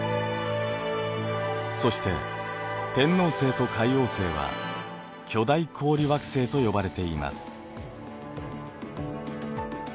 そして天王星と海王星は巨大氷惑星と呼ばれています。